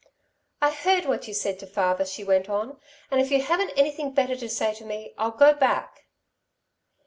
"I heard what you said to father," she went on, "and if you haven't anything better to say to me, I'll go back."